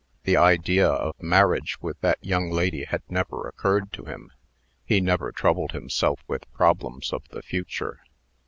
The idea of marriage with that young lady had never occurred to him. He never troubled himself with problems of the future.